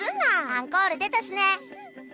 アンコール出たしね。